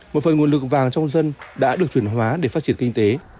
một phần nguồn lực vàng trong dân đã được chuyển hóa để phát triển kinh tế